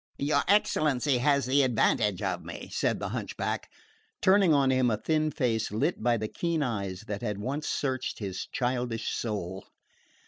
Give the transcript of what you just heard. "Your excellency has the advantage of me," said the hunchback, turning on him a thin face lit by the keen eyes that had once searched his childish soul.